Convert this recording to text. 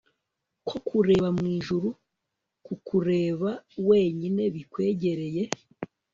ko kureba mwijuru kukureba wenyine bikwegereye